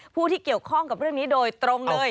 ผู้ที่เกี่ยวข้องกับเรื่องนี้โดยตรงเลย